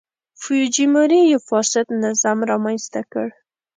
فوجیموري یو فاسد نظام رامنځته کړ.